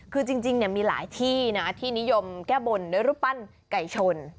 คือจริงมีหลายที่นะที่นิยมแก้บนด้วยรูปปั้นไก่ชน